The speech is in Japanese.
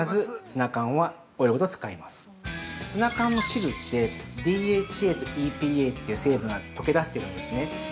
ツナ缶の汁って、ＤＨＡとＤＰＡという成分が溶けだしているんですね。